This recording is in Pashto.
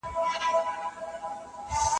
ایا ماشوم د انا په خبرو پوهېږي؟